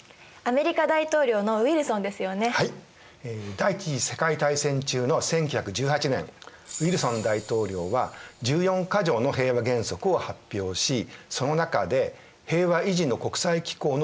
第一次世界大戦中の１９１８年ウィルソン大統領は１４か条の平和原則を発表しその中で平和維持の国際機構の創設を提唱しました。